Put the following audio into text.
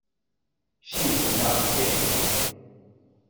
She was not kidding me.